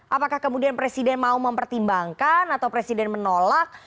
apakah kemudian presiden mau mempertimbangkan atau presiden menolak